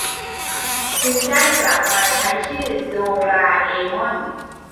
จึงได้กลับมาใช้ชื่อโดราเอมอน